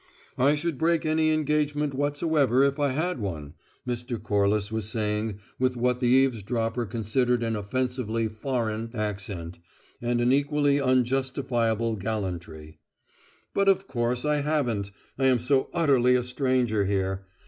"I should break any engagement whatsoever if I had one," Mr. Corliss was saying with what the eavesdropper considered an offensively "foreign" accent and an equally unjustifiable gallantry; "but of course I haven't: I am so utterly a stranger here.